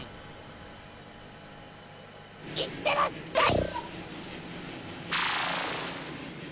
いってらっしゃい！